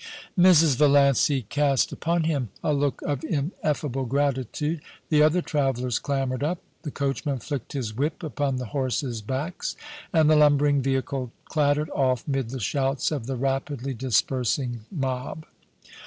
* Mrs. Valiancy cast upon him a look of ineffable gratitude ; the other travellers clambered up ; the coachman flicked his whip upon the horses' backs, and the lumbering vehicle clattered off mid the shouts of the rapidly dispersing mob.